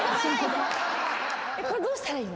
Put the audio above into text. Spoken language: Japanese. これどうしたらいいの？